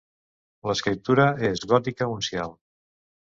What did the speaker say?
L'escriptura és gòtica uncial.